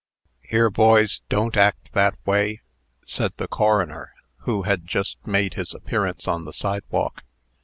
"Here, boys, don't act that way," said the coroner, who had just made his appearance on the sidewalk.